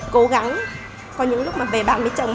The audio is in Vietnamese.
cố gắng có những lúc mà về bàn với chồng